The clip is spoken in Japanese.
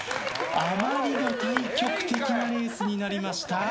あまりに対極的なレースになりました。